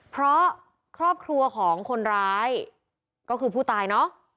เพราะครอบครัวของคนร้ายก็คือผู้ตายเนอะ